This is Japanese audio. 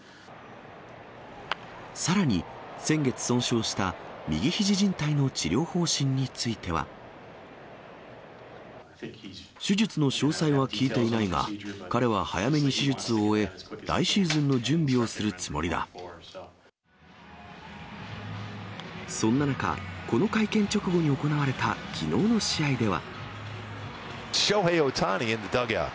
さらに、先月損傷した右ひじじん帯の治療方針については。手術の詳細は聞いていないが、彼は早めに手術を終え、そんな中、この会見直後に行われたきのうの試合では。